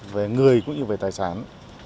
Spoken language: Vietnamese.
về người cũng như về tài sản